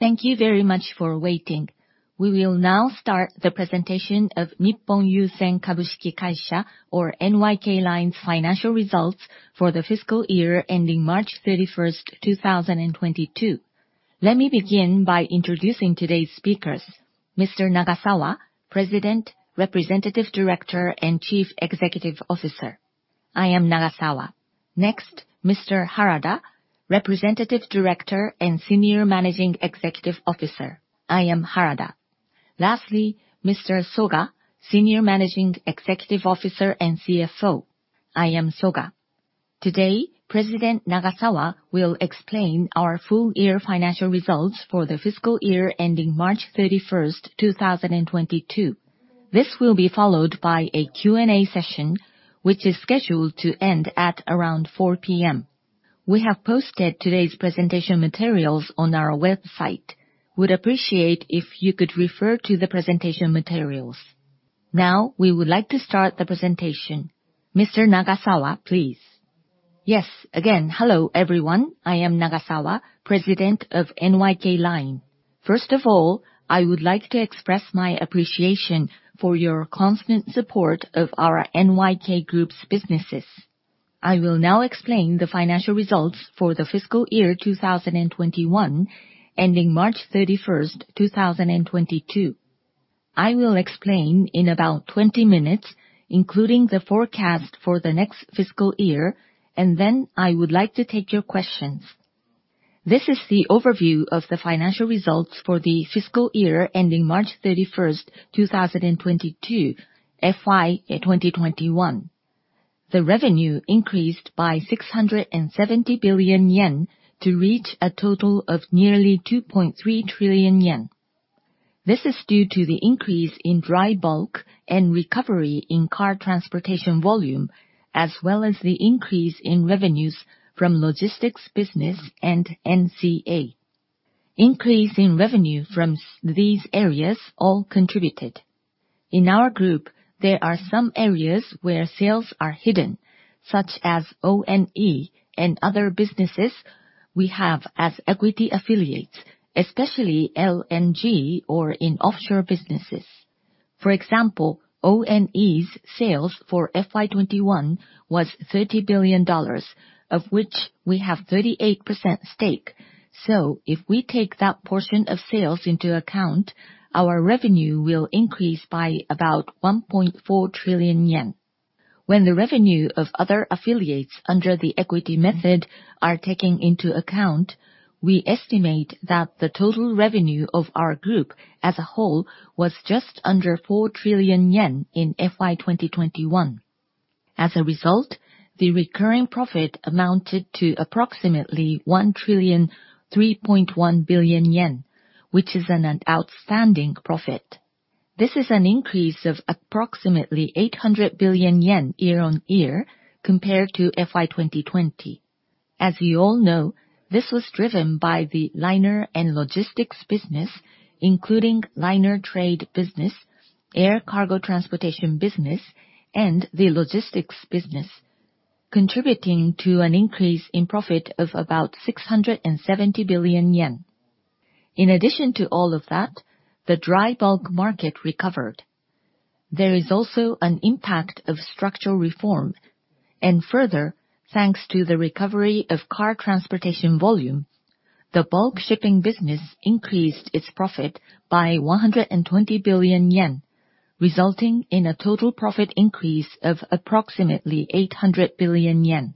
Thank you very much for waiting. We will now start the presentation of Nippon Yusen Kabushiki Kaisha, or NYK Line's financial results for the fiscal year ending March 31, 2022. Let me begin by introducing today's speakers. Mr. Nagasawa, President, Representative Director, and Chief Executive Officer. I am Nagasawa. Next, Mr. Harada, Representative Director and Senior Managing Executive Officer. I am Harada. Lastly, Mr. Soga, Senior Managing Executive Officer and CFO. I am Soga. Today, President Nagasawa will explain our full year financial results for the fiscal year ending March 31, 2022. This will be followed by a Q&A session, which is scheduled to end at around 4:00 P.M. We have posted today's presentation materials on our website. Would appreciate if you could refer to the presentation materials. Now, we would like to start the presentation. Mr. Nagasawa, please. Yes. Again, hello, everyone. I am Nagasawa, President of NYK Line. First of all, I would like to express my appreciation for your constant support of our NYK Group's businesses. I will now explain the financial results for the fiscal year 2021, ending March 31, 2022. I will explain in about 20 minutes, including the forecast for the next fiscal year, and then I would like to take your questions. This is the overview of the financial results for the fiscal year ending March 31, 2022, FY 2021. The revenue increased by 670 billion yen to reach a total of nearly 2.3 trillion yen. This is due to the increase in dry bulk and recovery in car transportation volume, as well as the increase in revenues from logistics business and NCA. Increase in revenue from these areas all contributed. In our group, there are some areas where sales are hidden, such as ONE and other businesses we have as equity affiliates, especially LNG or in offshore businesses. For example, ONE's sales for FY 2021 was $30 billion, of which we have 38% stake. If we take that portion of sales into account, our revenue will increase by about 1.4 trillion yen. When the revenue of other affiliates under the equity method are taken into account, we estimate that the total revenue of our group as a whole was just under 4 trillion yen in FY 2021. As a result, the recurring profit amounted to approximately 1,003.1 billion yen, which is an outstanding profit. This is an increase of approximately 800 billion yen year-on-year compared to FY 2020. As you all know, this was driven by the liner and logistics business, including liner trade business, air cargo transportation business, and the logistics business, contributing to an increase in profit of about 670 billion yen. In addition to all of that, the dry bulk market recovered. There is also an impact of structural reform. Further, thanks to the recovery of car transportation volume, the bulk shipping business increased its profit by 120 billion yen, resulting in a total profit increase of approximately 800 billion yen.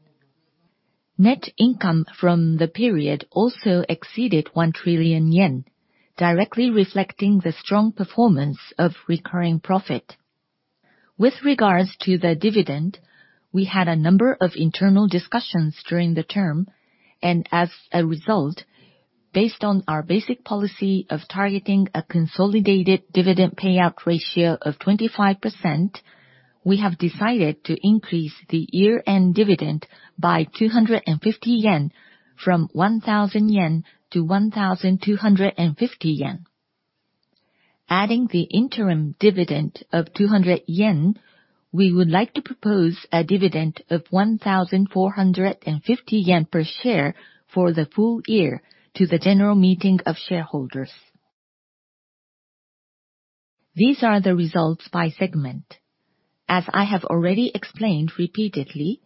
Net income from the period also exceeded 1 trillion yen, directly reflecting the strong performance of recurring profit. With regards to the dividend, we had a number of internal discussions during the term, and as a result, based on our basic policy of targeting a consolidated dividend payout ratio of 25%, we have decided to increase the year-end dividend by 250 yen from 1,000 yen to 1,250 yen. Adding the interim dividend of 200 yen, we would like to propose a dividend of 1,450 yen per share for the full year to the general meeting of shareholders. These are the results by segment. As I have already explained repeatedly,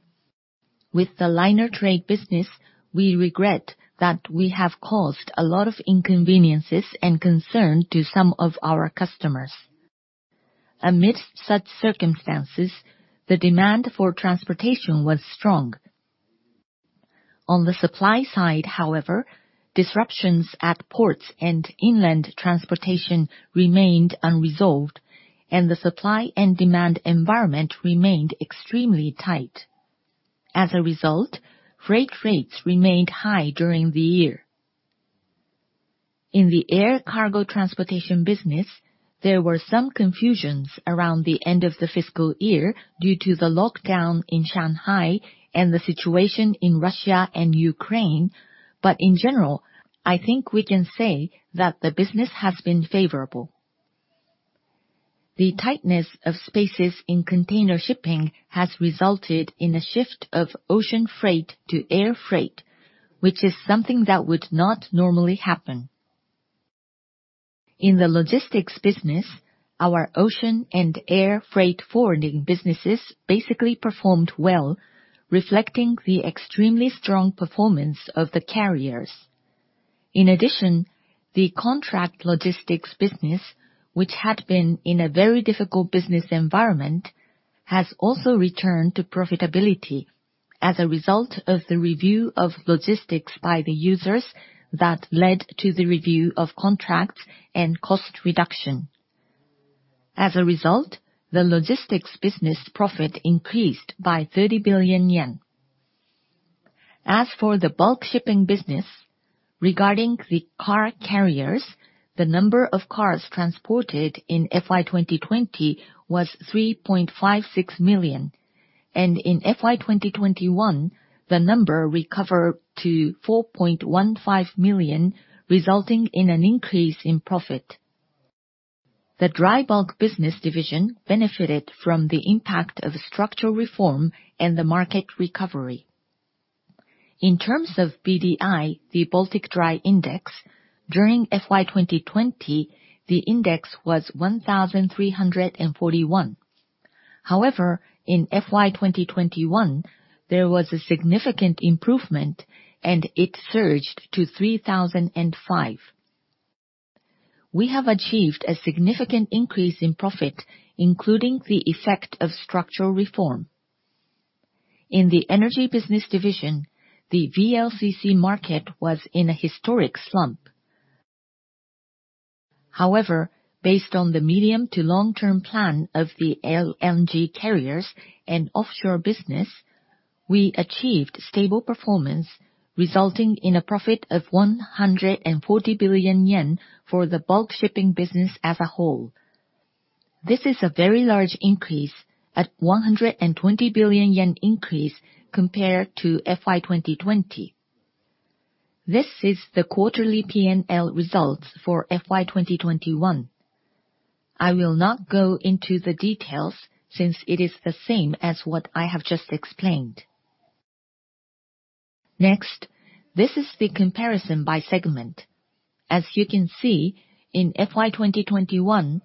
with the liner trade business, we regret that we have caused a lot of inconveniences and concern to some of our customers. Amidst such circumstances, the demand for transportation was strong. On the supply side, however, disruptions at ports and inland transportation remained unresolved, and the supply and demand environment remained extremely tight. As a result, freight rates remained high during the year. In the air cargo transportation business, there were some confusions around the end of the fiscal year due to the lockdown in Shanghai and the situation in Russia and Ukraine. In general, I think we can say that the business has been favorable. The tightness of spaces in container shipping has resulted in a shift of ocean freight to air freight, which is something that would not normally happen. In the logistics business, our ocean and air freight forwarding businesses basically performed well, reflecting the extremely strong performance of the carriers. In addition, the contract logistics business, which had been in a very difficult business environment, has also returned to profitability as a result of the review of logistics by the users that led to the review of contracts and cost reduction. As a result, the logistics business profit increased by 30 billion yen. As for the bulk shipping business, regarding the car carriers, the number of cars transported in FY2020 was 3.56 million, and in FY2021, the number recovered to 4.15 million, resulting in an increase in profit. The dry bulk business division benefited from the impact of structural reform and the market recovery. In terms of BDI, the Baltic Dry Index, during FY2020, the index was 1,341. However, in FY2021, there was a significant improvement, and it surged to 3,005. We have achieved a significant increase in profit, including the effect of structural reform. In the energy business division, the VLCC market was in a historic slump. However, based on the medium to long-term plan of the LNG carriers and offshore business, we achieved stable performance, resulting in a profit of 140 billion yen for the bulk shipping business as a whole. This is a very large increase at 120 billion yen increase compared to FY2020. This is the quarterly PNL results for FY2021. I will not go into the details since it is the same as what I have just explained. Next, this is the comparison by segment. As you can see, in FY2021,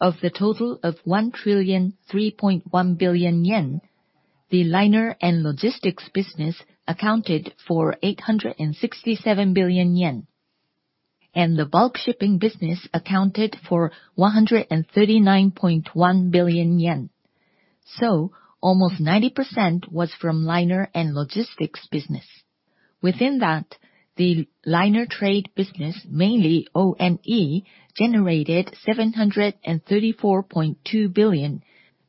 of the total of 1,003.1 billion yen, the liner and logistics business accounted for 867 billion yen, and the bulk shipping business accounted for 139.1 billion yen. Almost 90% was from liner and logistics business. Within that, the liner trade business, mainly ONE, generated 734.2 billion,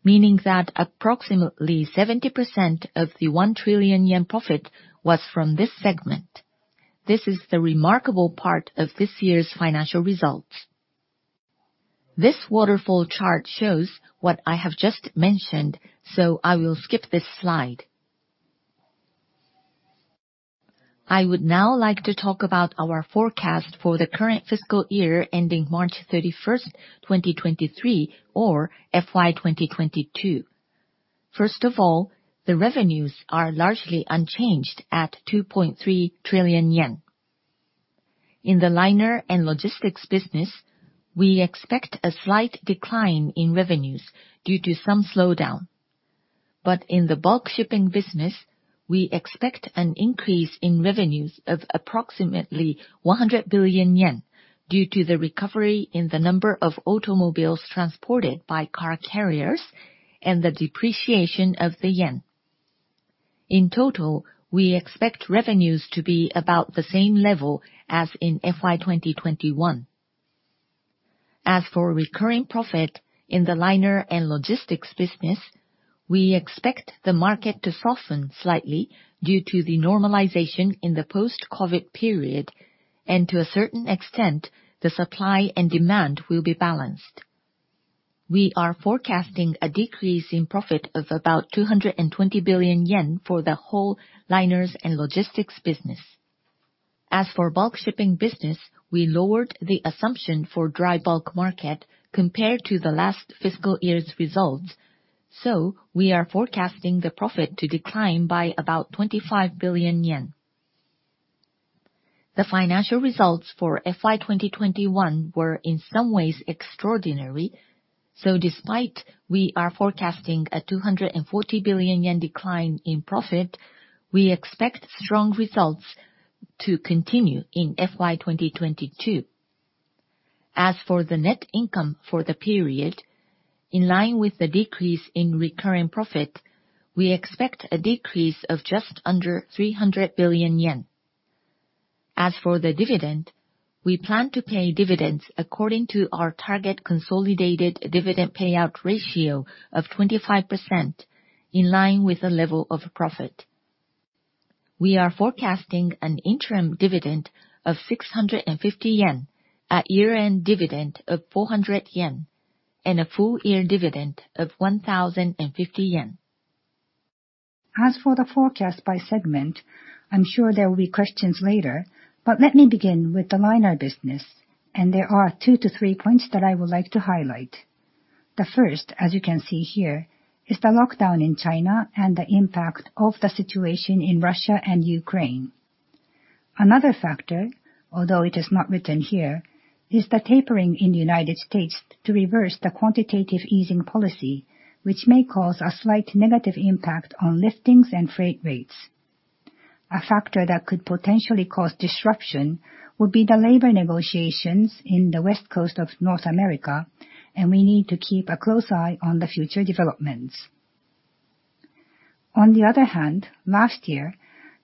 meaning that approximately 70% of the 1 trillion yen profit was from this segment. This is the remarkable part of this year's financial results. This waterfall chart shows what I have just mentioned, so I will skip this slide. I would now like to talk about our forecast for the current fiscal year ending March 31, 2023, or FY2022. First of all, the revenues are largely unchanged at 2.3 trillion yen. In the liner and logistics business, we expect a slight decline in revenues due to some slowdown. In the bulk shipping business, we expect an increase in revenues of approximately 100 billion yen due to the recovery in the number of automobiles transported by car carriers and the depreciation of the yen. In total, we expect revenues to be about the same level as in FY2021. As for recurring profit in the liner and logistics business, we expect the market to soften slightly due to the normalization in the post-COVID period, and to a certain extent, the supply and demand will be balanced. We are forecasting a decrease in profit of about 220 billion yen for the whole liner and logistics business. As for bulk shipping business, we lowered the assumption for dry bulk market compared to the last fiscal year's results. We are forecasting the profit to decline by about 25 billion yen. The financial results for FY2021 were in some ways extraordinary. Despite we are forecasting a 240 billion yen decline in profit, we expect strong results to continue in FY2022. As for the net income for the period, in line with the decrease in recurring profit, we expect a decrease of just under 300 billion yen. As for the dividend, we plan to pay dividends according to our target consolidated dividend payout ratio of 25% in line with the level of profit. We are forecasting an interim dividend of 650 yen, a year-end dividend of 400 yen, and a full-year dividend of 1,050 yen. As for the forecast by segment, I'm sure there will be questions later, but let me begin with the liner business, and there are two to three points that I would like to highlight. The first, as you can see here, is the lockdown in China and the impact of the situation in Russia and Ukraine. Another factor, although it is not written here, is the tapering in the United States to reverse the quantitative easing policy, which may cause a slight negative impact on liftings and freight rates. A factor that could potentially cause disruption would be the labor negotiations in the West Coast of North America, and we need to keep a close eye on the future developments. On the other hand, last year,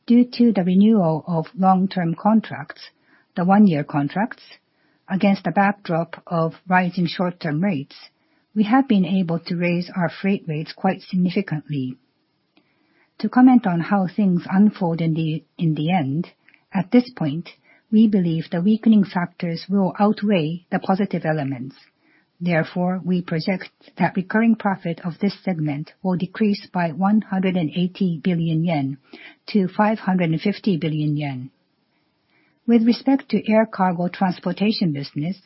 due to the renewal of long-term contracts, the one-year contracts, against the backdrop of rising short-term rates, we have been able to raise our freight rates quite significantly. To comment on how things unfold in the end, at this point, we believe the weakening factors will outweigh the positive elements. Therefore, we project that recurring profit of this segment will decrease by 180 billion yen to 550 billion yen. With respect to air cargo transportation business,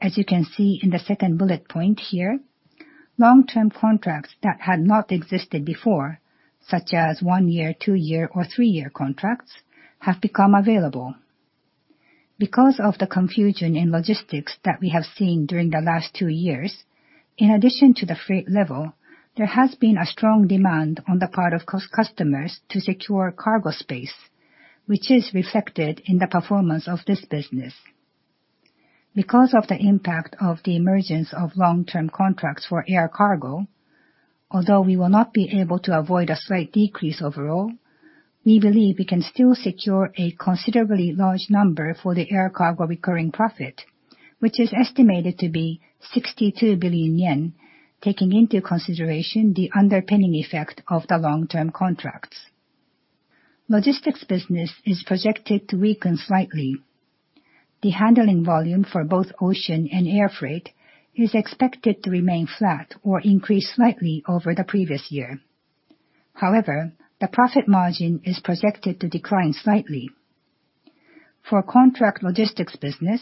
as you can see in the second bullet point here, long-term contracts that had not existed before, such as one-year, two-year, or three-year contracts, have become available. Because of the confusion in logistics that we have seen during the last 2 years, in addition to the freight level, there has been a strong demand on the part of customers to secure cargo space, which is reflected in the performance of this business. Because of the impact of the emergence of long-term contracts for air cargo, although we will not be able to avoid a slight decrease overall, we believe we can still secure a considerably large number for the air cargo recurring profit, which is estimated to be 62 billion yen, taking into consideration the underpinning effect of the long-term contracts. Logistics business is projected to weaken slightly. The handling volume for both ocean and air freight is expected to remain flat or increase slightly over the previous year. However, the profit margin is projected to decline slightly. For contract logistics business,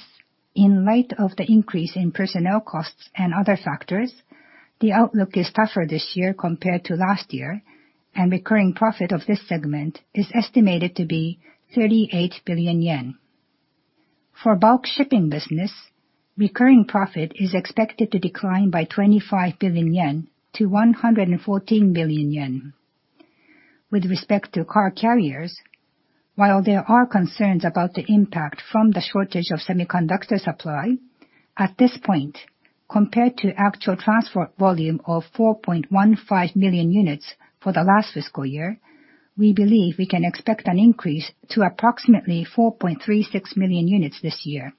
in light of the increase in personnel costs and other factors, the outlook is tougher this year compared to last year, and recurring profit of this segment is estimated to be 38 billion yen. For bulk shipping business, recurring profit is expected to decline by 25 billion yen to 114 billion yen. With respect to car carriers, while there are concerns about the impact from the shortage of semiconductor supply, at this point, compared to actual transfer volume of 4.15 billion units for the last fiscal year, we believe we can expect an increase to approximately 4.36 billion units this year.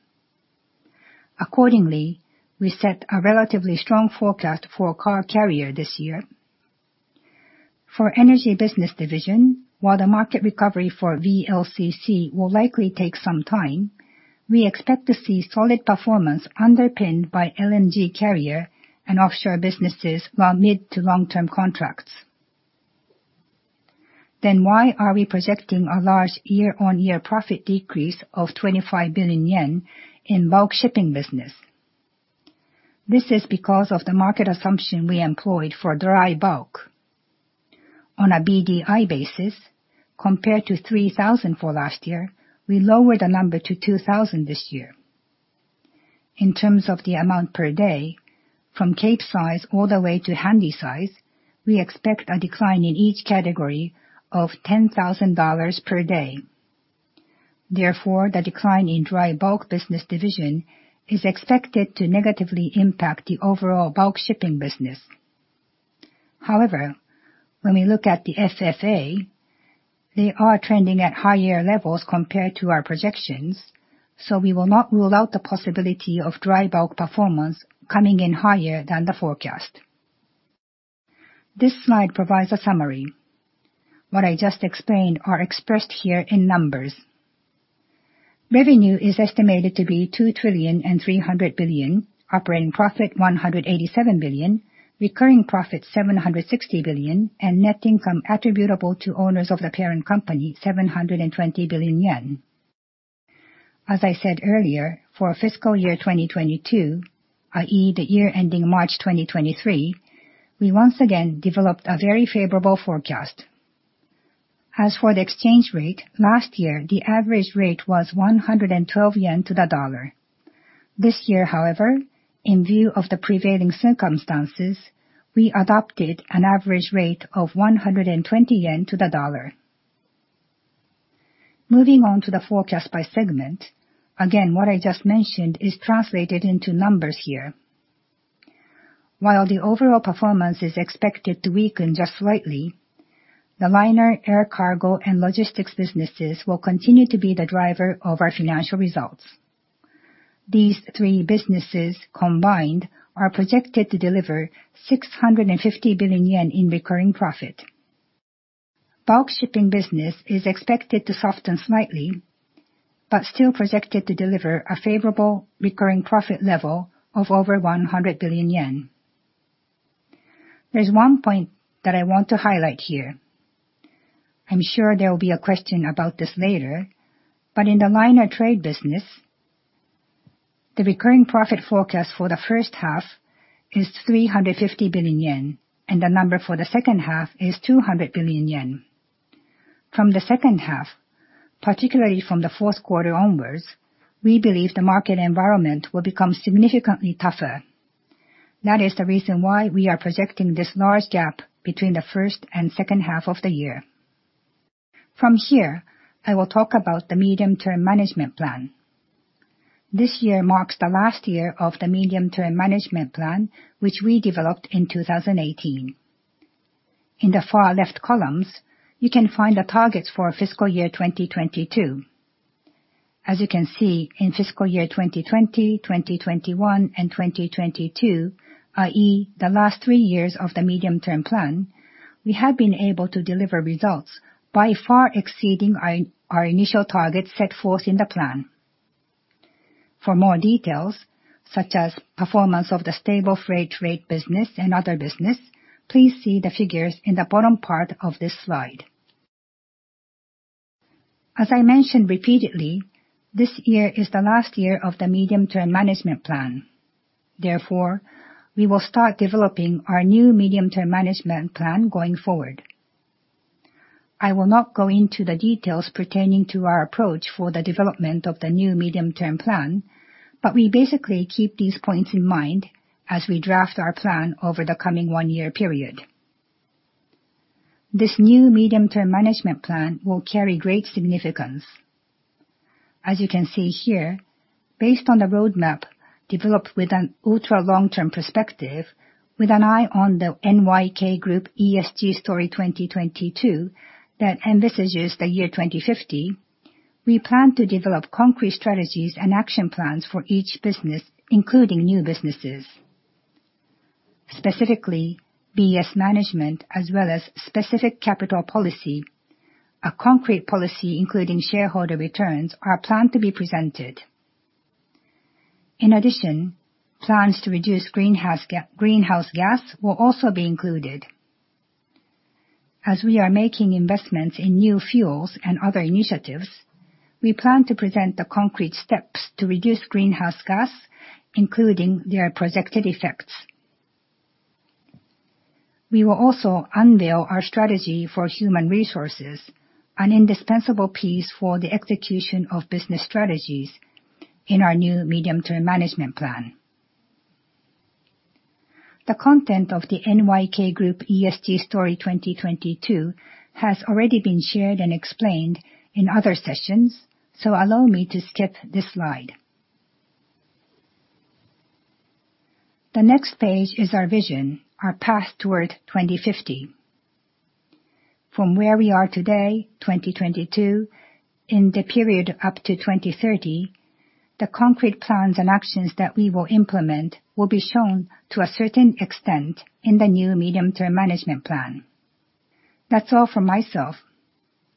Accordingly, we set a relatively strong forecast for car carrier this year. For energy business division, while the market recovery for VLCC will likely take some time, we expect to see solid performance underpinned by LNG carrier and offshore businesses via mid to long-term contracts. Why are we projecting a large year-on-year profit decrease of 25 billion yen in bulk shipping business? This is because of the market assumption we employed for dry bulk. On a BDI basis, compared to 3,000 for last year, we lowered the number to 2,000 this year. In terms of the amount per day, from Capesize all the way to Handysize, we expect a decline in each category of $10,000 per day. Therefore, the decline in dry bulk business division is expected to negatively impact the overall bulk shipping business. However, when we look at the FFA, they are trending at higher levels compared to our projections, so we will not rule out the possibility of dry bulk performance coming in higher than the forecast. This slide provides a summary. What I just explained are expressed here in numbers. Revenue is estimated to be 2.3 trillion, operating profit 187 billion, recurring profit 760 billion, and net income attributable to owners of the parent company, 720 billion yen. As I said earlier, for fiscal year 2022, i.e., the year ending March 2023, we once again developed a very favorable forecast. As for the exchange rate, last year, the average rate was 112 yen to the dollar. This year, however, in view of the prevailing circumstances, we adopted an average rate of 120 yen to the dollar. Moving on to the forecast by segment. Again, what I just mentioned is translated into numbers here. While the overall performance is expected to weaken just slightly, the liner, air cargo, and logistics businesses will continue to be the driver of our financial results. These three businesses combined are projected to deliver 650 billion yen in recurring profit. Bulk shipping business is expected to soften slightly, but still projected to deliver a favorable recurring profit level of over 100 billion yen. There's one point that I want to highlight here. I'm sure there will be a question about this later, but in the liner trade business, the recurring profit forecast for the first half is 350 billion yen, and the number for the second half is 200 billion yen. From the second half, particularly from the fourth quarter onwards, we believe the market environment will become significantly tougher. That is the reason why we are projecting this large gap between the first and second half of the year. From here, I will talk about the medium-term management plan. This year marks the last year of the medium-term management plan, which we developed in 2018. In the far left columns, you can find the targets for fiscal year 2022. As you can see, in fiscal year 2020, 2021, and 2022, i.e. The last three years of the medium-term plan, we have been able to deliver results by far exceeding our initial targets set forth in the plan. For more details, such as performance of the stable freight rate business and other business, please see the figures in the bottom part of this slide. As I mentioned repeatedly, this year is the last year of the medium-term management plan. Therefore, we will start developing our new medium-term management plan going forward. I will not go into the details pertaining to our approach for the development of the new medium-term management plan, but we basically keep these points in mind as we draft our plan over the coming one-year period. This new medium-term management plan will carry great significance. As you can see here, based on the roadmap developed with an ultra long-term perspective, with an eye on the NYK Group ESG Story 2022 that envisages the year 2050, we plan to develop concrete strategies and action plans for each business, including new businesses. Specifically, BS Management as well as specific capital policy, a concrete policy including shareholder returns, are planned to be presented. In addition, plans to reduce greenhouse gas will also be included. As we are making investments in new fuels and other initiatives, we plan to present the concrete steps to reduce greenhouse gas, including their projected effects. We will also unveil our strategy for human resources, an indispensable piece for the execution of business strategies in our new medium-term management plan. The content of the NYK Group ESG Story 2022 has already been shared and explained in other sessions, so allow me to skip this slide. The next page is our vision, our path toward 2050. From where we are today, 2022, in the period up to 2030, the concrete plans and actions that we will implement will be shown to a certain extent in the new medium-term management plan. That's all from myself.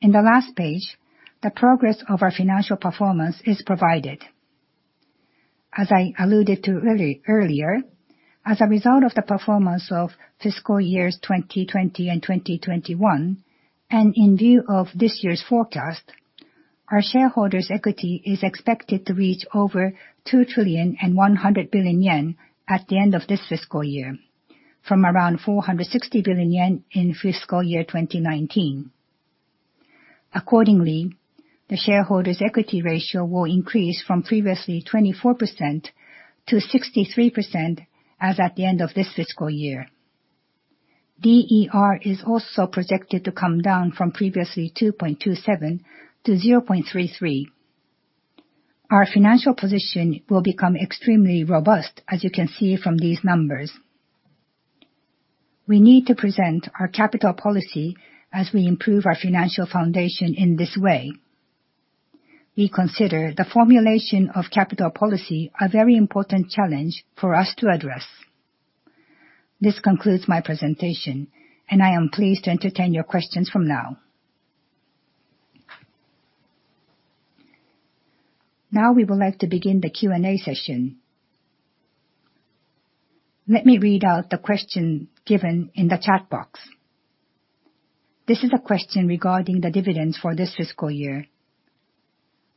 In the last page, the progress of our financial performance is provided. As I alluded to earlier, as a result of the performance of fiscal years 2020 and 2021, and in view of this year's forecast, our shareholders' equity is expected to reach over 2.1 trillion at the end of this fiscal year, from around 460 billion yen in fiscal year 2019. Accordingly, the shareholders' equity ratio will increase from previously 24% to 63% as at the end of this fiscal year. DER is also projected to come down from previously 2.27 to 0.33. Our financial position will become extremely robust, as you can see from these numbers. We need to present our capital policy as we improve our financial foundation in this way. We consider the formulation of capital policy a very important challenge for us to address. This concludes my presentation, and I am pleased to entertain your questions from now. Now we would like to begin the Q&A session. Let me read out the question given in the chat box. This is a question regarding the dividends for this fiscal year.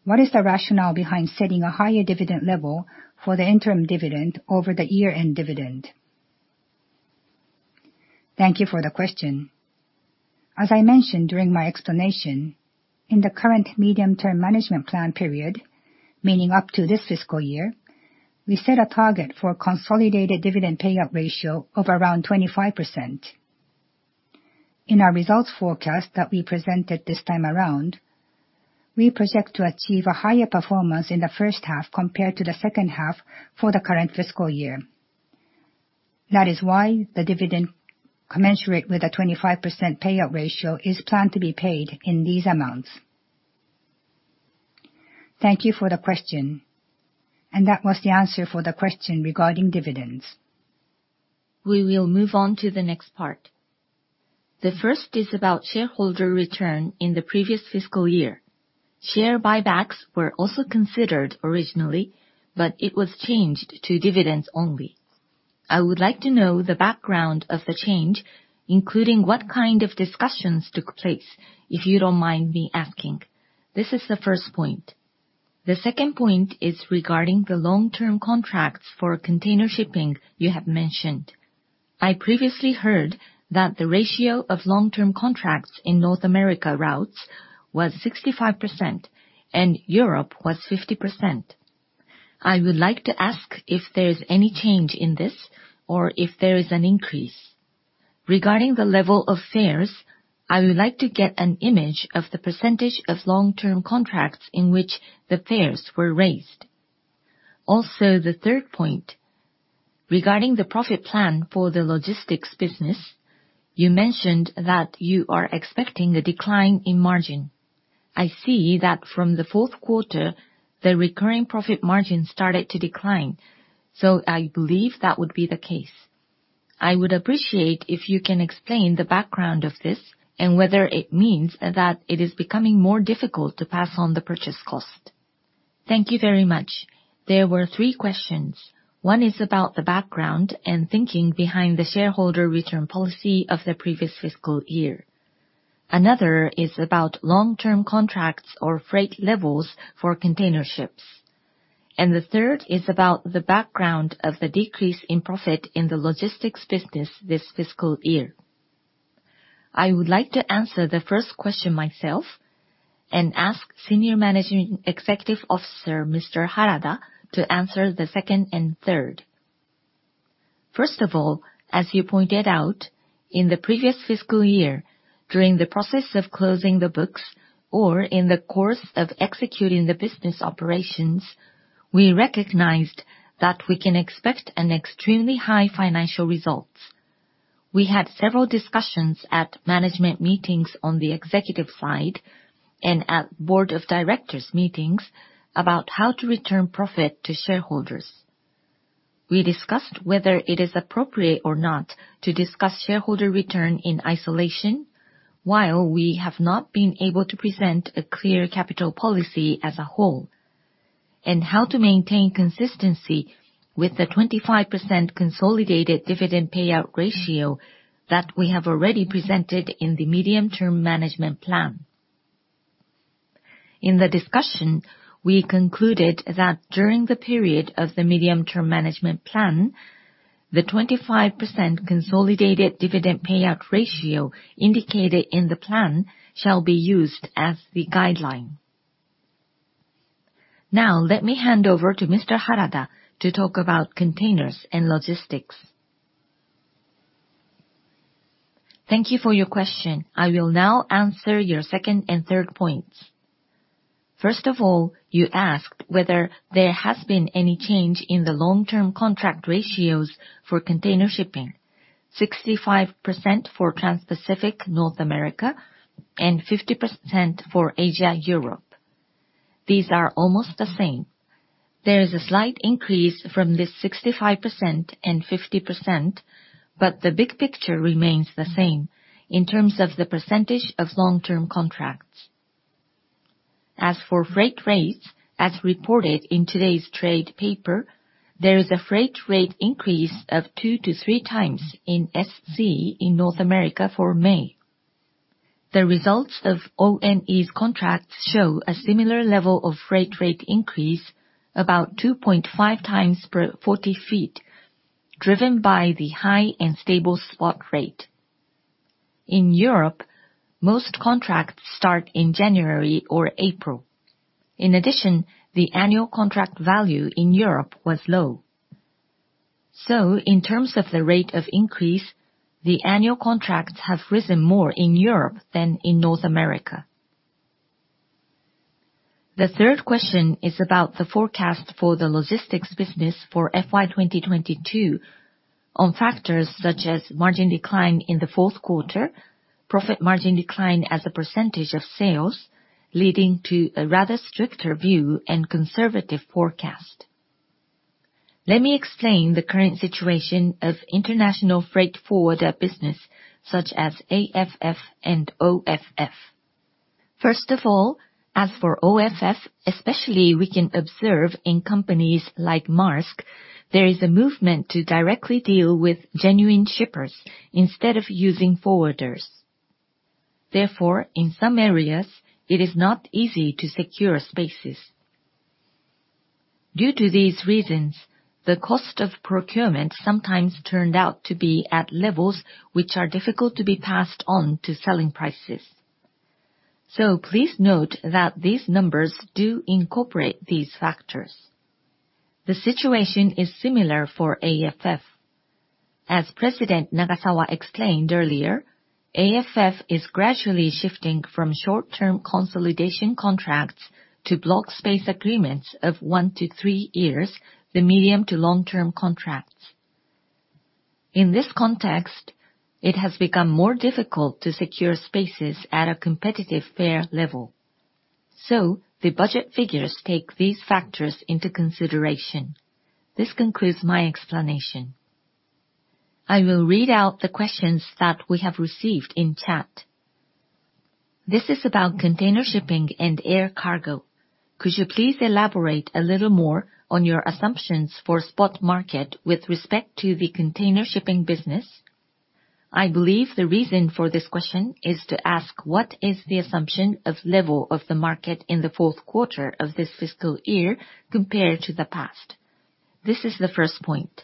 What is the rationale behind setting a higher dividend level for the interim dividend over the year-end dividend? Thank you for the question. As I mentioned during my explanation, in the current medium-term management plan period, meaning up to this fiscal year, we set a target for consolidated dividend payout ratio of around 25%. In our results forecast that we presented this time around, we project to achieve a higher performance in the first half compared to the second half for the current fiscal year. That is why the dividend commensurate with the 25% payout ratio is planned to be paid in these amounts. Thank you for the question. That was the answer for the question regarding dividends. We will move on to the next part. The first is about shareholder return in the previous fiscal year. Share buybacks were also considered originally, but it was changed to dividends only. I would like to know the background of the change, including what kind of discussions took place, if you don't mind me asking. This is the first point. The second point is regarding the long-term contracts for container shipping you have mentioned. I previously heard that the ratio of long-term contracts in North America routes was 65%, and Europe was 50%. I would like to ask if there is any change in this or if there is an increase. Regarding the level of fares, I would like to get an idea of the percentage of long-term contracts in which the fares were raised. Also, the third point, regarding the profit plan for the logistics business, you mentioned that you are expecting a decline in margin. I see that from the fourth quarter, the recurring profit margin started to decline. I believe that would be the case. I would appreciate if you can explain the background of this, and whether it means that it is becoming more difficult to pass on the purchase cost. Thank you very much. There were three questions. One is about the background and thinking behind the shareholder return policy of the previous fiscal year. Another is about long-term contracts or freight levels for container ships. The third is about the background of the decrease in profit in the logistics business this fiscal year. I would like to answer the first question myself and ask Senior Managing Executive Officer, Mr. Harada, to answer the second and third. First of all, as you pointed out, in the previous fiscal year, during the process of closing the books or in the course of executing the business operations, we recognized that we can expect an extremely high financial results. We had several discussions at management meetings on the executive side and at board of directors meetings about how to return profit to shareholders. We discussed whether it is appropriate or not to discuss shareholder return in isolation while we have not been able to present a clear capital policy as a whole, and how to maintain consistency with the 25% consolidated dividend payout ratio that we have already presented in the medium-term management plan. In the discussion, we concluded that during the period of the medium-term management plan, the 25% consolidated dividend payout ratio indicated in the plan shall be used as the guideline. Now let me hand over to Mr. Harada to talk about containers and logistics. Thank you for your question. I will now answer your second and third points. First of all, you asked whether there has been any change in the long-term contract ratios for container shipping, 65% for Transpacific, North America, and 50% for Asia/Europe. These are almost the same. There is a slight increase from this 65% and 50%, but the big picture remains the same in terms of the percentage of long-term contracts. As for freight rates, as reported in today's trade paper, there is a freight rate increase of 2-3 times in SC in North America for May. The results of ONE's contracts show a similar level of freight rate increase about 2.5 times per 40 feet, driven by the high and stable spot rate. In Europe, most contracts start in January or April. In addition, the annual contract value in Europe was low. In terms of the rate of increase, the annual contracts have risen more in Europe than in North America. The third question is about the forecast for the logistics business for FY 2022 on factors such as margin decline in the fourth quarter, profit margin decline as a percentage of sales, leading to a rather stricter view and conservative forecast. Let me explain the current situation of international freight forwarder business such as AFF and OFF. First of all, as for OFF, especially we can observe in companies like Maersk, there is a movement to directly deal with genuine shippers instead of using forwarders. Therefore, in some areas, it is not easy to secure spaces. Due to these reasons, the cost of procurement sometimes turned out to be at levels which are difficult to be passed on to selling prices. Please note that these numbers do incorporate these factors. The situation is similar for AFF. As President Nagasawa explained earlier, AFF is gradually shifting from short-term consolidation contracts to block space agreements of one to three years, the medium to long-term contracts. In this context, it has become more difficult to secure spaces at a competitive fare level. The budget figures take these factors into consideration. This concludes my explanation. I will read out the questions that we have received in chat. This is about container shipping and air cargo. Could you please elaborate a little more on your assumptions for spot market with respect to the container shipping business? I believe the reason for this question is to ask what is the assumption of level of the market in the fourth quarter of this fiscal year compared to the past? This is the first point.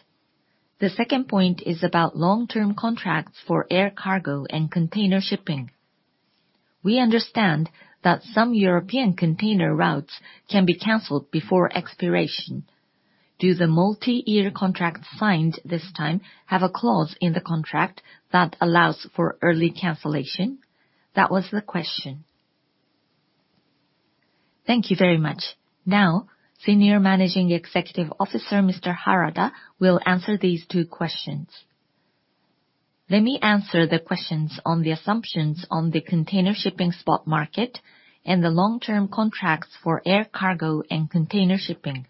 The second point is about long-term contracts for air cargo and container shipping. We understand that some European container routes can be canceled before expiration. Do the multi-year contracts signed this time have a clause in the contract that allows for early cancellation? That was the question. Thank you very much. Now, Senior Managing Executive Officer, Mr. Harada, will answer these two questions. Let me answer the questions on the assumptions on the container shipping spot market and the long-term contracts for air cargo and container shipping.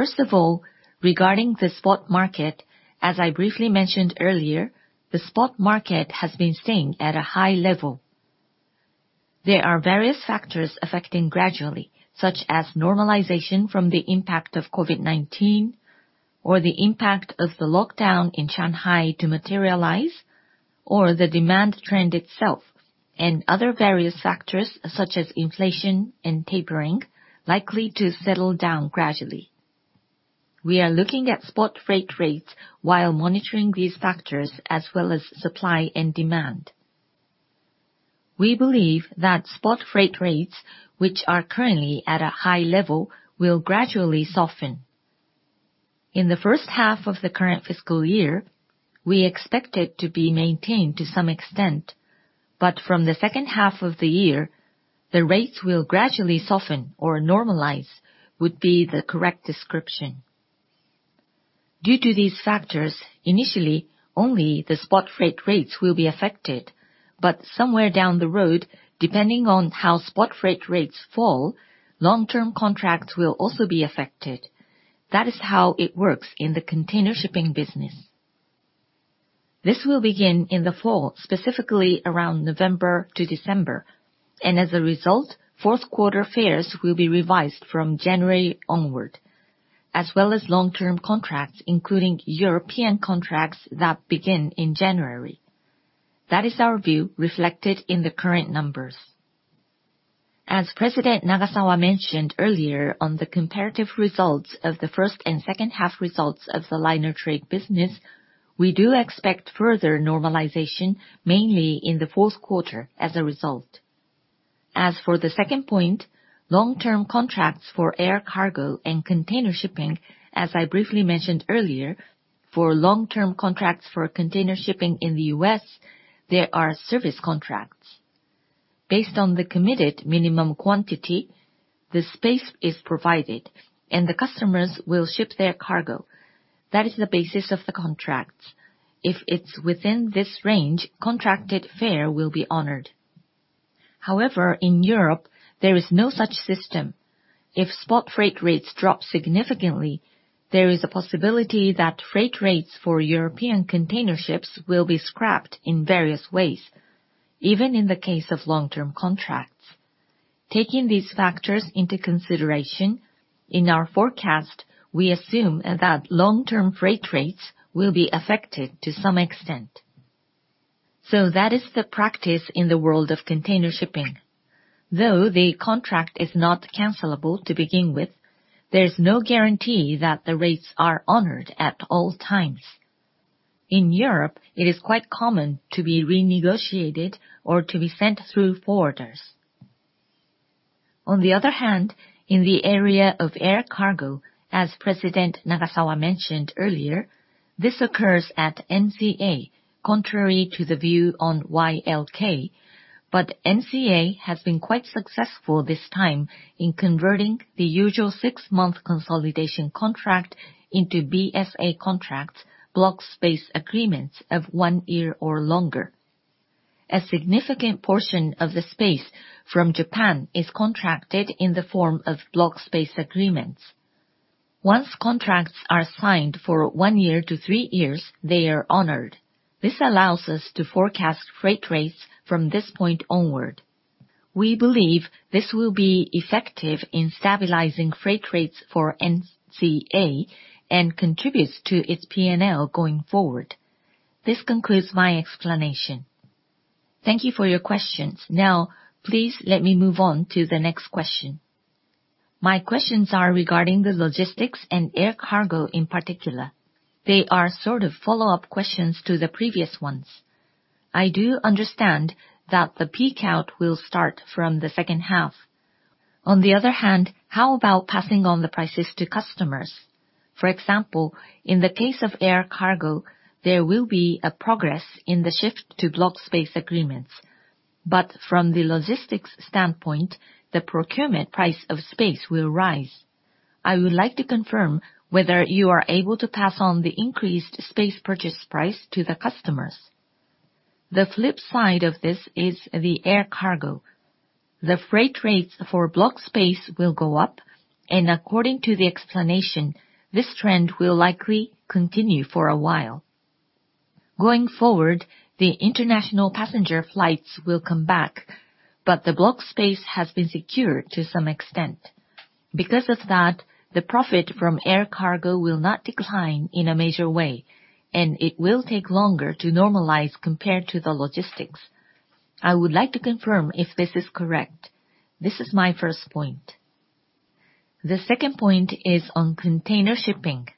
First of all, regarding the spot market, as I briefly mentioned earlier, the spot market has been staying at a high level. There are various factors affecting gradually, such as normalization from the impact of COVID-19, or the impact of the lockdown in Shanghai to materialize, or the demand trend itself, and other various factors such as inflation and tapering likely to settle down gradually. We are looking at spot freight rates while monitoring these factors, as well as supply and demand. We believe that spot freight rates, which are currently at a high level, will gradually soften. In the first half of the current fiscal year, we expect it to be maintained to some extent, but from the second half of the year, the rates will gradually soften or normalize, would be the correct description. Due to these factors, initially, only the spot freight rates will be affected, but somewhere down the road, depending on how spot freight rates fall, long-term contracts will also be affected. That is how it works in the container shipping business. This will begin in the fall, specifically around November to December, and as a result, fourth quarter fares will be revised from January onward, as well as long-term contracts, including European contracts that begin in January. That is our view reflected in the current numbers. As President Nagasawa mentioned earlier on the comparative results of the first and second half results of the liner trade business, we do expect further normalization, mainly in the fourth quarter as a result. As for the second point, long-term contracts for air cargo and container shipping, as I briefly mentioned earlier, for long-term contracts for container shipping in the U.S., there are service contracts. Based on the committed minimum quantity, the space is provided, and the customers will ship their cargo. That is the basis of the contracts. If it's within this range, contracted freight will be honored. However, in Europe, there is no such system. If spot freight rates drop significantly, there is a possibility that freight rates for European container ships will be scrapped in various ways, even in the case of long-term contracts. Taking these factors into consideration, in our forecast, we assume that long-term freight rates will be affected to some extent. That is the practice in the world of container shipping. Though the contract is not cancelable to begin with, there's no guarantee that the rates are honored at all times. In Europe, it is quite common to be renegotiated or to be sent through forwarders. On the other hand, in the area of air cargo, as President Nagasawa mentioned earlier, this occurs at NCA, contrary to the view on YLK, but NCA has been quite successful this time in converting the usual six-month consolidation contract into BSA contracts, block space agreements of one year or longer. A significant portion of the space from Japan is contracted in the form of block space agreements. Once contracts are signed for one year to three years, they are honored. This allows us to forecast freight rates from this point onward. We believe this will be effective in stabilizing freight rates for NCA and contributes to its P&L going forward. This concludes my explanation. Thank you for your questions. Now, please let me move on to the next question. My questions are regarding the logistics and air cargo in particular. They are sort of follow-up questions to the previous ones. I do understand that the peak out will start from the second half. On the other hand, how about passing on the prices to customers? For example, in the case of air cargo, there will be a progress in the shift to block space agreements. But from the logistics standpoint, the procurement price of space will rise. I would like to confirm whether you are able to pass on the increased space purchase price to the customers. The flip side of this is the air cargo. The freight rates for block space will go up, and according to the explanation, this trend will likely continue for a while. Going forward, the international passenger flights will come back, but the block space has been secured to some extent. Because of that, the profit from air cargo will not decline in a major way, and it will take longer to normalize compared to the logistics. I would like to confirm if this is correct. This is my first point. The second point is on container shipping.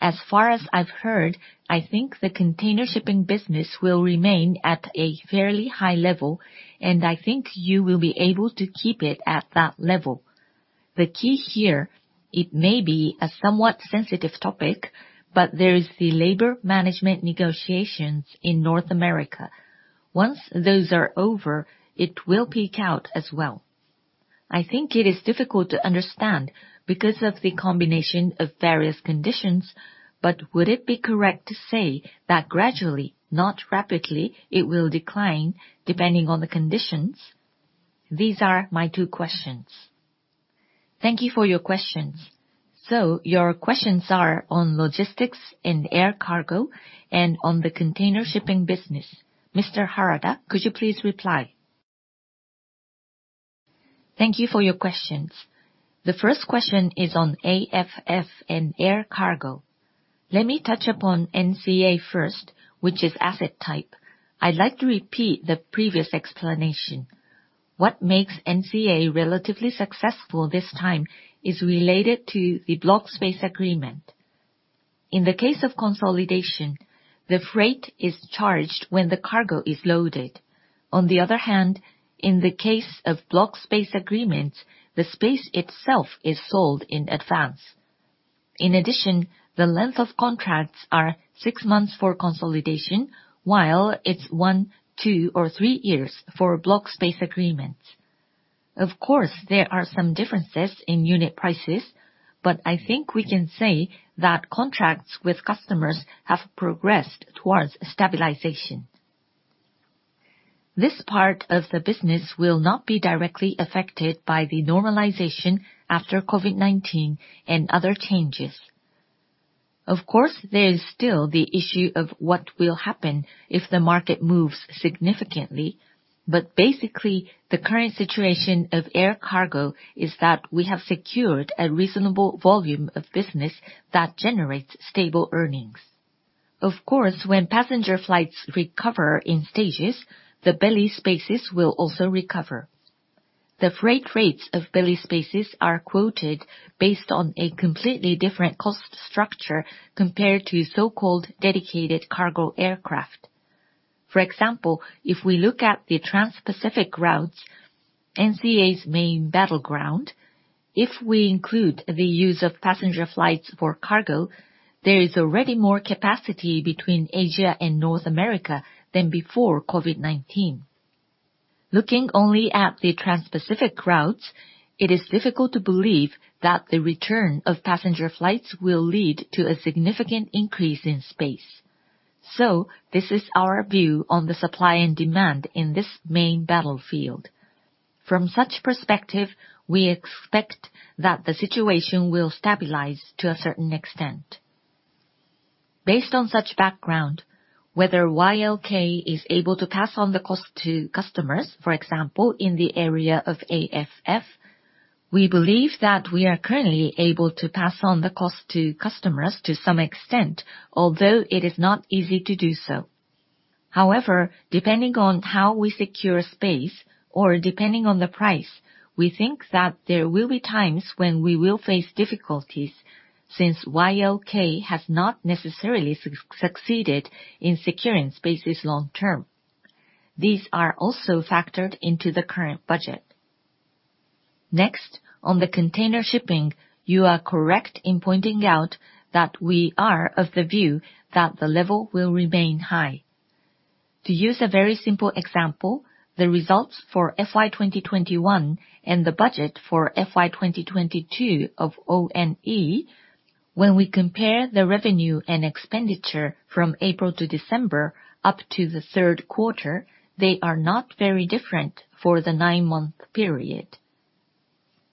As far as I've heard, I think the container shipping business will remain at a fairly high level, and I think you will be able to keep it at that level. The key here, it may be a somewhat sensitive topic, but there is the labor management negotiations in North America. Once those are over, it will peak out as well. I think it is difficult to understand because of the combination of various conditions, but would it be correct to say that gradually, not rapidly, it will decline depending on the conditions? These are my two questions. Thank you for your questions. Your questions are on logistics and air cargo and on the container shipping business. Mr. Harada, could you please reply? Thank you for your questions. The first question is on AFF and air cargo. Let me touch upon NCA first, which is asset type. I'd like to repeat the previous explanation. What makes NCA relatively successful this time is related to the block space agreement. In the case of consolidation, the freight is charged when the cargo is loaded. On the other hand, in the case of block space agreements, the space itself is sold in advance. In addition, the length of contracts are six months for consolidation, while it's one, two, or three years for block space agreements. Of course, there are some differences in unit prices, but I think we can say that contracts with customers have progressed towards stabilization. This part of the business will not be directly affected by the normalization after COVID-19 and other changes. Of course, there is still the issue of what will happen if the market moves significantly. Basically, the current situation of air cargo is that we have secured a reasonable volume of business that generates stable earnings. Of course, when passenger flights recover in stages, the belly spaces will also recover. The freight rates of belly spaces are quoted based on a completely different cost structure compared to so-called dedicated cargo aircraft. For example, if we look at the transpacific routes, NCA's main battleground, if we include the use of passenger flights for cargo, there is already more capacity between Asia and North America than before COVID-19. Looking only at the transpacific routes, it is difficult to believe that the return of passenger flights will lead to a significant increase in space. This is our view on the supply and demand in this main battlefield. From such perspective, we expect that the situation will stabilize to a certain extent. Based on such background, whether YLK is able to pass on the cost to customers, for example, in the area of AFF, we believe that we are currently able to pass on the cost to customers to some extent, although it is not easy to do so. However, depending on how we secure space or depending on the price, we think that there will be times when we will face difficulties since YLK has not necessarily succeeded in securing spaces long term. These are also factored into the current budget. Next, on the container shipping, you are correct in pointing out that we are of the view that the level will remain high. To use a very simple example, the results for FY 2021 and the budget for FY 2022 of ONE, when we compare the revenue and expenditure from April to December up to the third quarter, they are not very different for the nine-month period.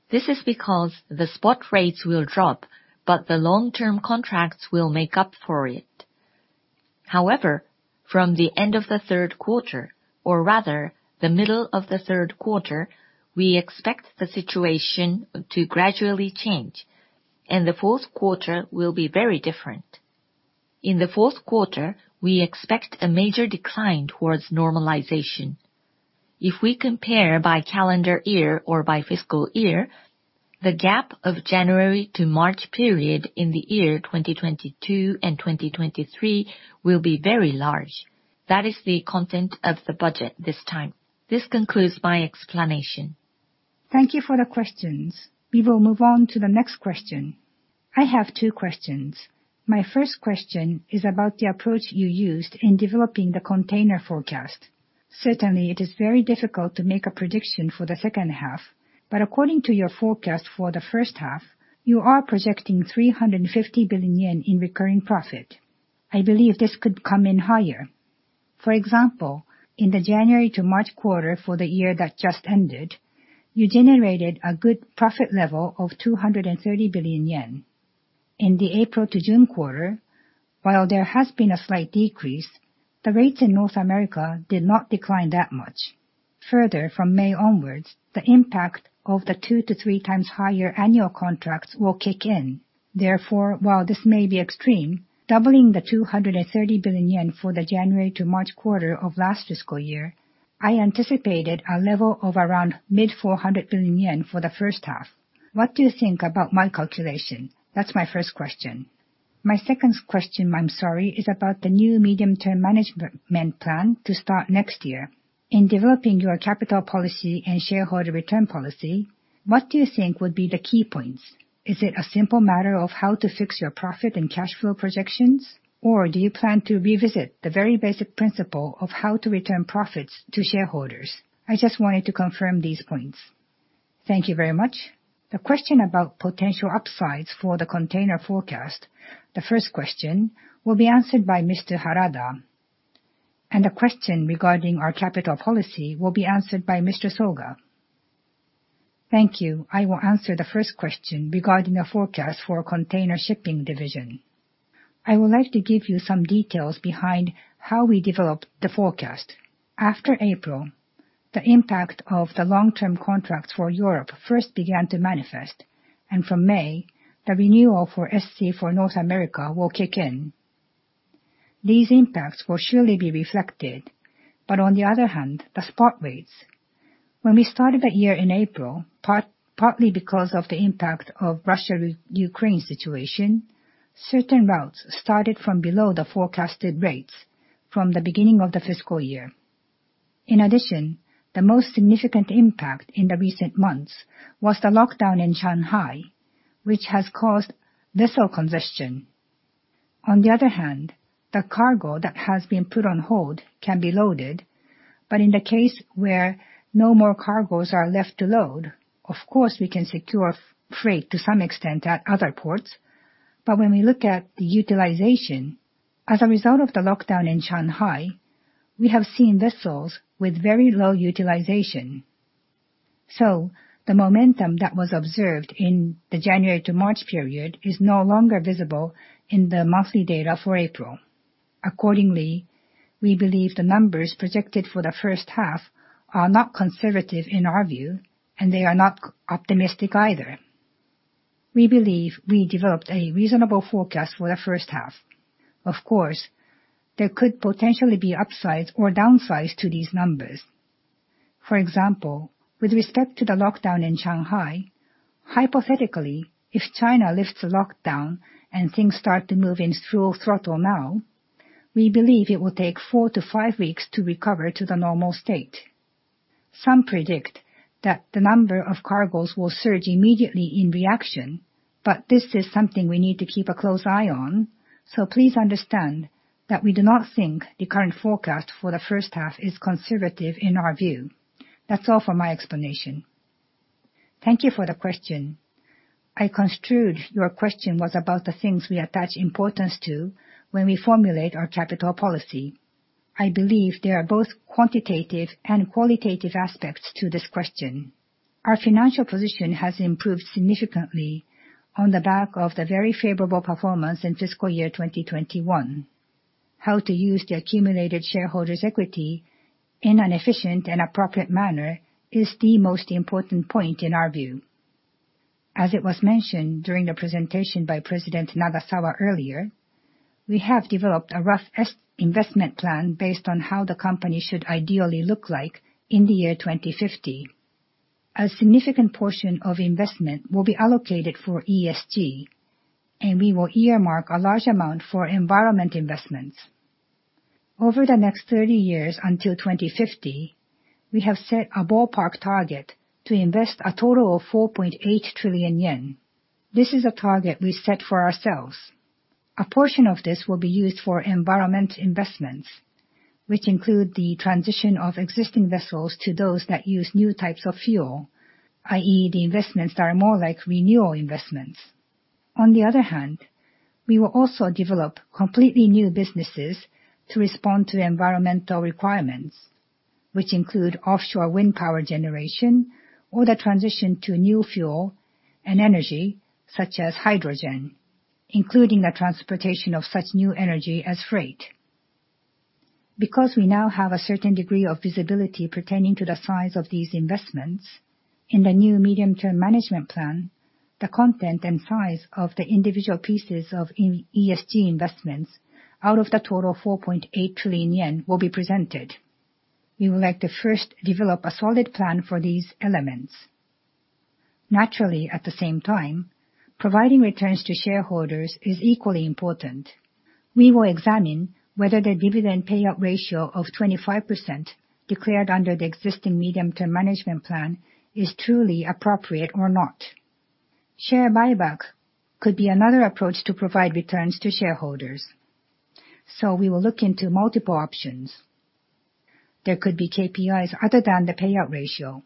This is because the spot rates will drop, but the long-term contracts will make up for it. However, from the end of the third quarter, or rather the middle of the third quarter, we expect the situation to gradually change, and the fourth quarter will be very different. In the fourth quarter, we expect a major decline towards normalization. If we compare by calendar year or by fiscal year, the gap of January to March period in the year 2022 and 2023 will be very large. That is the content of the budget this time. This concludes my explanation. Thank you for the questions. We will move on to the next question. I have two questions. My first question is about the approach you used in developing the container forecast. Certainly, it is very difficult to make a prediction for the second half, but according to your forecast for the first half, you are projecting 350 billion yen in recurring profit. I believe this could come in higher. For example, in the January to March quarter for the year that just ended, you generated a good profit level of 230 billion yen. In the April to June quarter, while there has been a slight decrease, the rates in North America did not decline that much. Further, from May onwards, the impact of the two to three times higher annual contracts will kick in. Therefore, while this may be extreme, doubling the 230 billion yen for the January to March quarter of last fiscal year, I anticipated a level of around mid-400 billion yen for the first half. What do you think about my calculation? That's my first question. My second question, I'm sorry, is about the new medium-term management plan to start next year. In developing your capital policy and shareholder return policy, what do you think would be the key points? Is it a simple matter of how to fix your profit and cash flow projections, or do you plan to revisit the very basic principle of how to return profits to shareholders? I just wanted to confirm these points. Thank you very much. The question about potential upsides for the container forecast, the first question, will be answered by Mr. Harada, and the question regarding our capital policy will be answered by Mr. Soga. Thank you. I will answer the first question regarding the forecast for container shipping division. I would like to give you some details behind how we developed the forecast. After April, the impact of the long-term contracts for Europe first began to manifest, and from May, the renewal for SC for North America will kick in. These impacts will surely be reflected, but on the other hand, the spot rates. When we started the year in April, partly because of the impact of Russia-Ukraine situation, certain routes started from below the forecasted rates from the beginning of the fiscal year. In addition, the most significant impact in the recent months was the lockdown in Shanghai, which has caused vessel congestion. On the other hand, the cargo that has been put on hold can be loaded, but in the case where no more cargoes are left to load, of course, we can secure freight to some extent at other ports. When we look at the utilization, as a result of the lockdown in Shanghai, we have seen vessels with very low utilization. The momentum that was observed in the January to March period is no longer visible in the monthly data for April. Accordingly, we believe the numbers projected for the first half are not conservative in our view, and they are not optimistic either. We believe we developed a reasonable forecast for the first half. Of course, there could potentially be upsides or downsides to these numbers. For example, with respect to the lockdown in Shanghai, hypothetically, if China lifts the lockdown and things start to move in full throttle now, we believe it will take four to five weeks to recover to the normal state. Some predict that the number of cargoes will surge immediately in reaction, but this is something we need to keep a close eye on, so please understand that we do not think the current forecast for the first half is conservative in our view. That's all for my explanation. Thank you for the question. I construed your question was about the things we attach importance to when we formulate our capital policy. I believe there are both quantitative and qualitative aspects to this question. Our financial position has improved significantly on the back of the very favorable performance in fiscal year 2021. How to use the accumulated shareholders' equity in an efficient and appropriate manner is the most important point in our view. As it was mentioned during the presentation by President Nagasawa earlier, we have developed a rough investment plan based on how the company should ideally look like in the year 2050. A significant portion of investment will be allocated for ESG, and we will earmark a large amount for environment investments. Over the next 30 years until 2050, we have set a ballpark target to invest a total of 4.8 trillion yen. This is a target we set for ourselves. A portion of this will be used for environment investments, which include the transition of existing vessels to those that use new types of fuel, i.e., the investments that are more like renewal investments. On the other hand, we will also develop completely new businesses to respond to environmental requirements, which include offshore wind power generation or the transition to new fuel and energy, such as hydrogen, including the transportation of such new energy as freight. Because we now have a certain degree of visibility pertaining to the size of these investments, in the new medium-term management plan, the content and size of the individual pieces of ESG investments out of the total 4.8 trillion yen will be presented. We would like to first develop a solid plan for these elements. Naturally, at the same time, providing returns to shareholders is equally important. We will examine whether the dividend payout ratio of 25% declared under the existing medium-term management plan is truly appropriate or not. Share buyback could be another approach to provide returns to shareholders. We will look into multiple options. There could be KPIs other than the payout ratio.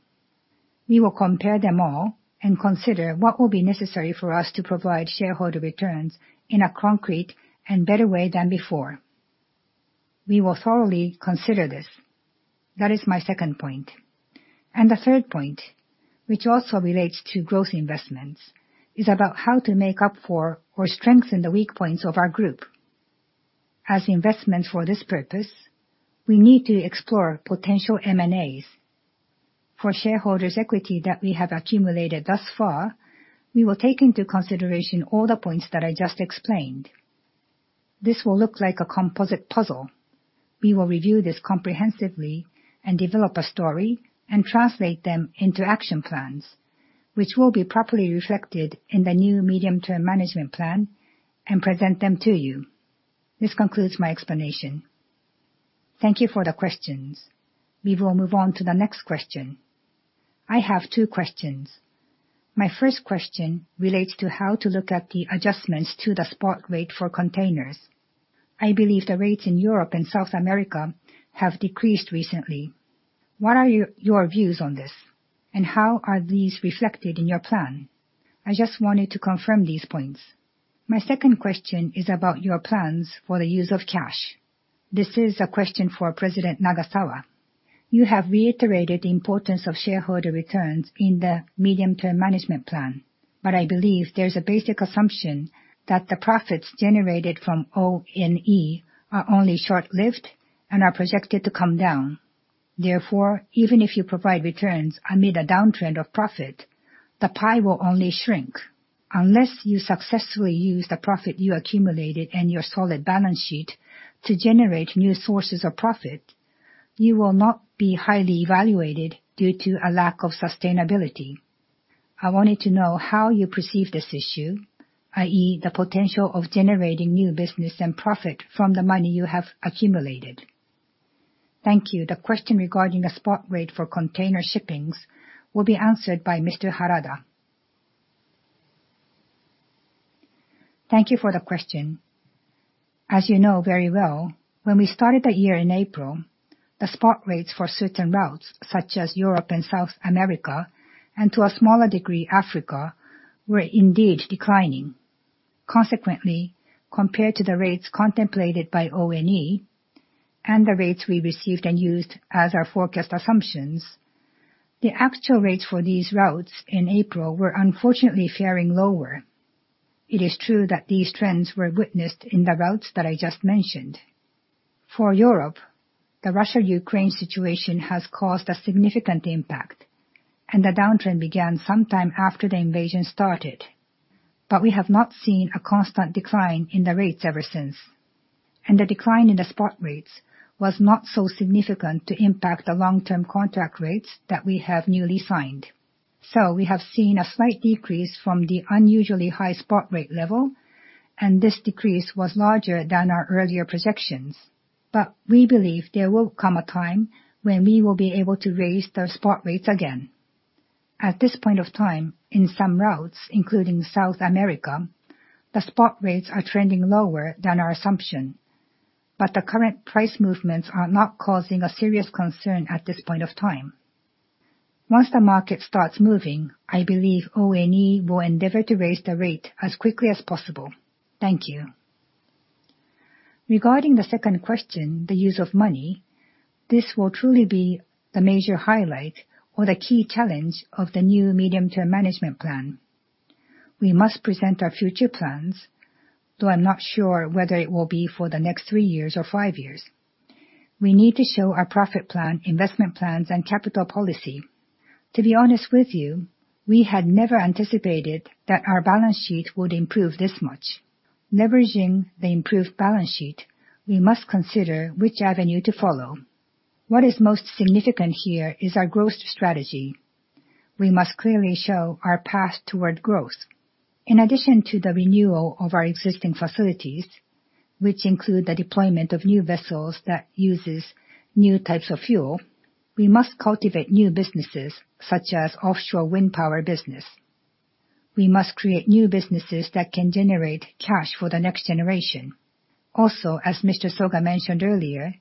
We will compare them all and consider what will be necessary for us to provide shareholder returns in a concrete and better way than before. We will thoroughly consider this. That is my second point. The third point, which also relates to growth investments, is about how to make up for or strengthen the weak points of our group. As investments for this purpose, we need to explore potential M&As. For shareholders' equity that we have accumulated thus far, we will take into consideration all the points that I just explained. This will look like a composite puzzle. We will review this comprehensively and develop a story and translate them into action plans, which will be properly reflected in the new medium-term management plan and present them to you. This concludes my explanation. Thank you for the questions. We will move on to the next question. I have two questions. My first question relates to how to look at the adjustments to the spot rate for containers. I believe the rates in Europe and South America have decreased recently. What are your views on this, and how are these reflected in your plan? I just wanted to confirm these points. My second question is about your plans for the use of cash. This is a question for President Nagasawa. You have reiterated the importance of shareholder returns in the medium-term management plan, but I believe there's a basic assumption that the profits generated from ONE are only short-lived and are projected to come down. Therefore, even if you provide returns amid a downtrend of profit, the pie will only shrink. Unless you successfully use the profit you accumulated and your solid balance sheet to generate new sources of profit, you will not be highly evaluated due to a lack of sustainability. I wanted to know how you perceive this issue, i.e., the potential of generating new business and profit from the money you have accumulated. Thank you. The question regarding a spot rate for container shipping will be answered by Mr. Harada. Thank you for the question. As you know very well, when we started the year in April, the spot rates for certain routes, such as Europe and South America, and to a smaller degree, Africa, were indeed declining. Consequently, compared to the rates contemplated by ONE and the rates we received and used as our forecast assumptions, the actual rates for these routes in April were unfortunately faring lower. It is true that these trends were witnessed in the routes that I just mentioned. For Europe, the Russia-Ukraine situation has caused a significant impact, and the downtrend began sometime after the invasion started. We have not seen a constant decline in the rates ever since. The decline in the spot rates was not so significant to impact the long-term contract rates that we have newly signed. We have seen a slight decrease from the unusually high spot rate level, and this decrease was larger than our earlier projections. We believe there will come a time when we will be able to raise the spot rates again. At this point of time, in some routes, including South America, the spot rates are trending lower than our assumption, but the current price movements are not causing a serious concern at this point of time. Once the market starts moving, I believe ONE will endeavor to raise the rate as quickly as possible. Thank you. Regarding the second question, the use of money, this will truly be the major highlight or the key challenge of the new medium-term management plan. We must present our future plans, though I'm not sure whether it will be for the next three years or five years. We need to show our profit plan, investment plans, and capital policy. To be honest with you, we had never anticipated that our balance sheet would improve this much. Leveraging the improved balance sheet, we must consider which avenue to follow. What is most significant here is our growth strategy. We must clearly show our path toward growth. In addition to the renewal of our existing facilities, which include the deployment of new vessels that uses new types of fuel, we must cultivate new businesses such as offshore wind power business. We must create new businesses that can generate cash for the next generation. Also, as Mr. Soga mentioned earlier,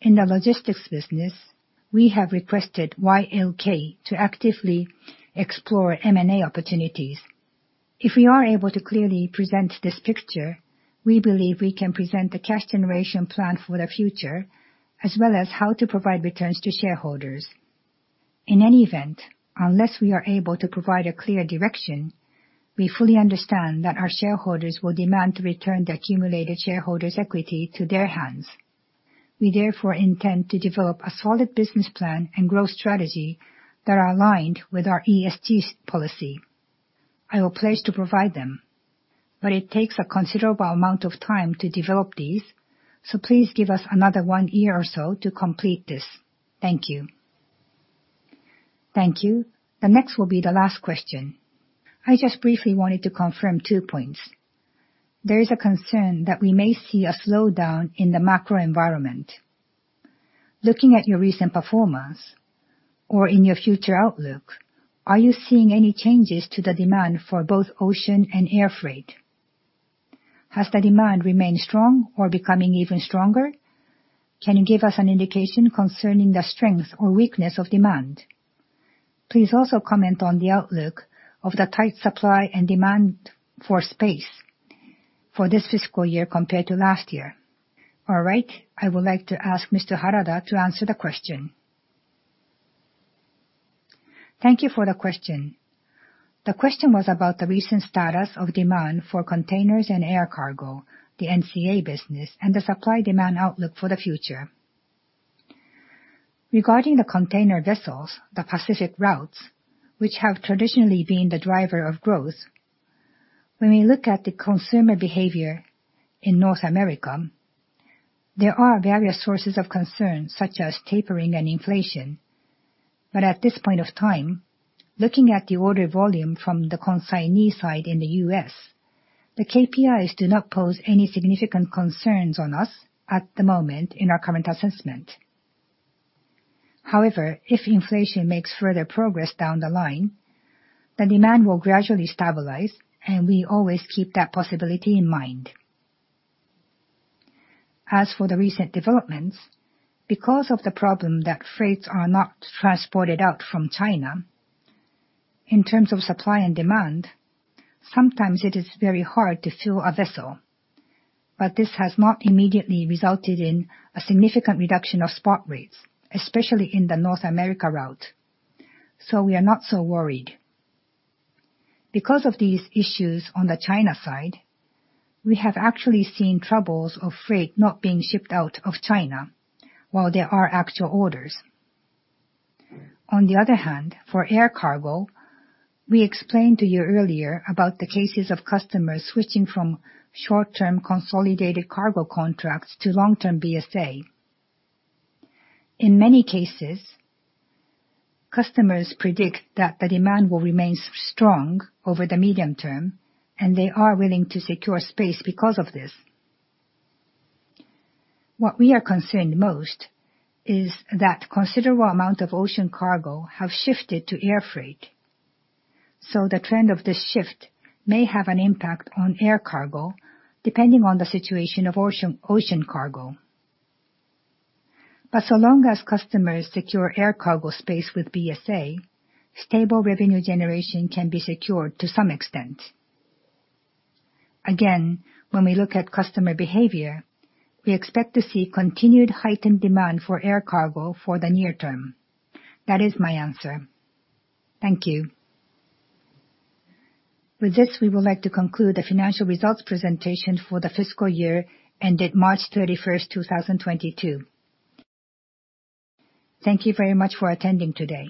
in the logistics business, we have requested YLK to actively explore M&A opportunities. If we are able to clearly present this picture, we believe we can present the cash generation plan for the future, as well as how to provide returns to shareholders. In any event, unless we are able to provide a clear direction, we fully understand that our shareholders will demand to return the accumulated shareholders' equity to their hands. We therefore intend to develop a solid business plan and growth strategy that are aligned with our ESG policy. I will pledge to provide them. It takes a considerable amount of time to develop these, so please give us another one year or so to complete this. Thank you. Thank you. The next will be the last question. I just briefly wanted to confirm two points. There is a concern that we may see a slowdown in the macro environment. Looking at your recent performance or in your future outlook, are you seeing any changes to the demand for both ocean and air freight? Has the demand remained strong or becoming even stronger? Can you give us an indication concerning the strength or weakness of demand? Please also comment on the outlook of the tight supply and demand for space for this fiscal year compared to last year. All right, I would like to ask Mr. Harada to answer the question. Thank you for the question. The question was about the recent status of demand for containers and air cargo, the NCA business, and the supply-demand outlook for the future. Regarding the container vessels, the Pacific routes, which have traditionally been the driver of growth, when we look at the consumer behavior in North America, there are various sources of concern, such as tapering and inflation. At this point of time, looking at the order volume from the consignee side in the US, the KPIs do not pose any significant concerns on us at the moment in our current assessment. However, if inflation makes further progress down the line, the demand will gradually stabilize, and we always keep that possibility in mind. As for the recent developments, because of the problem that freights are not transported out from China, in terms of supply and demand, sometimes it is very hard to fill a vessel, but this has not immediately resulted in a significant reduction of spot rates, especially in the North America route. We are not so worried. Because of these issues on the China side, we have actually seen troubles of freight not being shipped out of China while there are actual orders. On the other hand, for air cargo, we explained to you earlier about the cases of customers switching from short-term consolidated cargo contracts to long-term BSA. In many cases, customers predict that the demand will remain strong over the medium term, and they are willing to secure space because of this. What we are concerned most is that considerable amount of ocean cargo have shifted to air freight, so the trend of this shift may have an impact on air cargo, depending on the situation of ocean cargo. So long as customers secure air cargo space with BSA, stable revenue generation can be secured to some extent. Again, when we look at customer behavior, we expect to see continued heightened demand for air cargo for the near term. That is my answer. Thank you. With this, we would like to conclude the financial results presentation for the fiscal year ended March 31, 2022. Thank you very much for attending today.